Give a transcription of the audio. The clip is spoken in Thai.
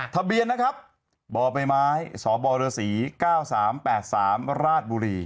ทะเบียนนะครับบ่อยไม้ไม้สอบอยระสีเก้าสามแปดสามราดบุรี